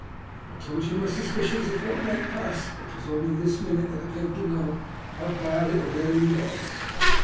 I told ye my suspicions a fortnight past, but 'twas only this minute I came to know how bad it really was."